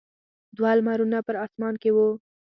دوه لمرونه په اسمان کې وو.